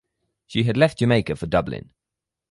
She had left Jamaica for Dublin.